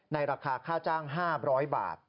ราคาค่าจ้าง๕๐๐บาท